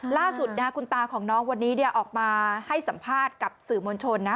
ล่าสุดคุณตาของน้องวันนี้ออกมาให้สัมภาษณ์กับสื่อมวลชนนะ